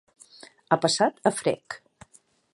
Ha passat a frec.